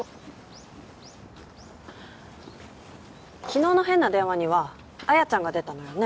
昨日の変な電話には彩矢ちゃんが出たのよね？